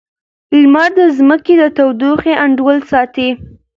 لمر د ځمکې د تودوخې انډول ساتي.